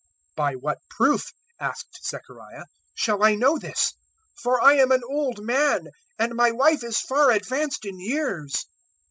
001:018 "By what proof," asked Zechariah, "shall I know this? For I am an old man, and my wife is far advanced in years."